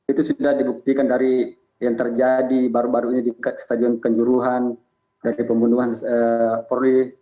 itu sudah dibuktikan dari yang terjadi baru baru ini di stadion kanjuruhan dari pembunuhan polri